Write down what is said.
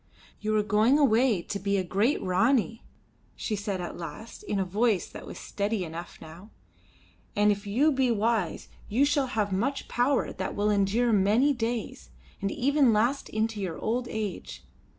"You are going away to be a great Ranee," she said at last, in a voice that was steady enough now, "and if you be wise you shall have much power that will endure many days, and even last into your old age.